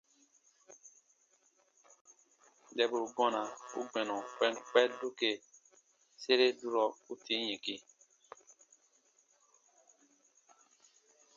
Dɛburu gɔna u gbɛnɔ kpɛnkpɛn doke sere durɔ u tii yɛ̃ki.